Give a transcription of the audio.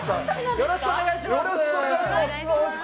よろしくお願いします。